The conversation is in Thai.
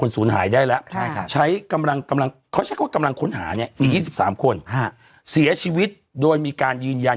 เสียชีวิตโดยมีการยืนยัน